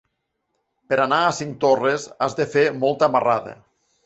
Per anar a Cinctorres has de fer molta marrada.